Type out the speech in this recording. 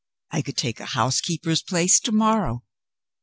I could take a housekeeper's place to morrow.